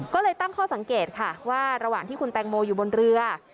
ก็เลยตั้งข้อสังเกตค่ะว่าระหว่างที่คุณแตงโมอยู่บนเรือ